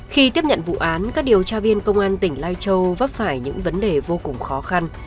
khi tiếp nhận vụ án các điều tra viên công an tỉnh lai châu vấp phải những vấn đề vô cùng khó khăn